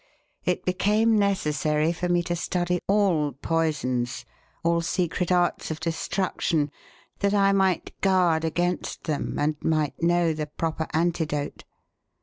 It became necessary for me to study all poisons, all secret arts of destruction, that I might guard against them and might know the proper antidote.